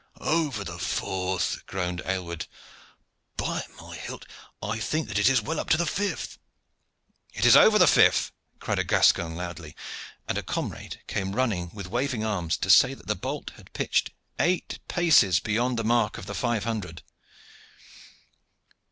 "Over the fourth!" groaned Aylward. "By my hilt! I think that it is well up to the fifth." "It is over the fifth!" cried a Gascon loudly, and a comrade came running with waving arms to say that the bolt had pitched eight paces beyond the mark of the five hundred.